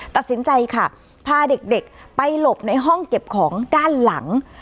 ตัดสินใจค่ะพาเด็กไปหลบในห้องเก็บของด้านหลัง